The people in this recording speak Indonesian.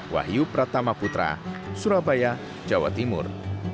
wahyu pratama putra surabaya jawa timur